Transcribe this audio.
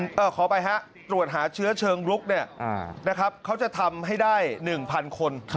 ขอไปฮะตรวจหาเชื้อเชิงลุกเนี่ยนะครับเขาจะทำให้ได้๑๐๐คน